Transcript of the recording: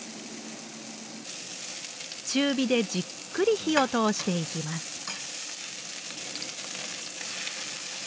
中火でじっくり火を通していきます。